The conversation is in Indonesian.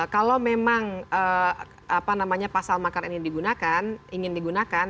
kalau memang pasal makar ini digunakan ingin digunakan